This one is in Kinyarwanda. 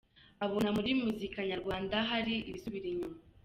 Abona muri muzika nyarwanda hari ibisubira inyuma.